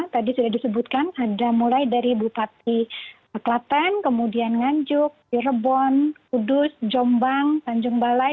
tadi sudah disebutkan ada mulai dari bupati klaten kemudian nganjuk cirebon kudus jombang tanjung balai